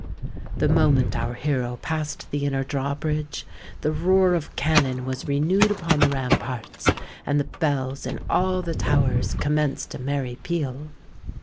The moment our hero passed the inner drawbridge, the roar of cannon was renewed upon the ramparts; and the bells in all the towers commenced a merry peal.